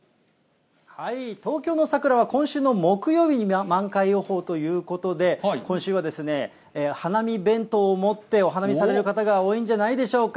東京の桜は今週の木曜日に満開予報ということで、今週はですね、花見弁当を持ってお花見される方が多いんじゃないでしょうか。